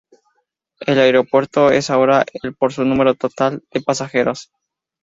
El aeropuerto es ahora el por su número total de pasajeros.